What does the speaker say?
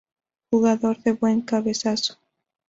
Jugador de buen cabezazo.